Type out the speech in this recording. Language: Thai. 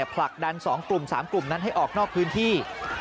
ผลักดัน๒กลุ่ม๓กลุ่มนั้นให้ออกนอกพื้นที่